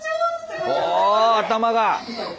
お頭が！